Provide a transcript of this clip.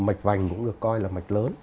mạch vành cũng được coi là mạch lớn